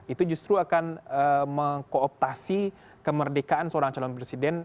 itu justru akan mengkooptasi kemerdekaan seorang calon presiden